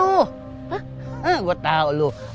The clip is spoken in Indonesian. apa ada kaitannya dengan hilangnya sena